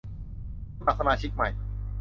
สมัครสมาชิกใหม่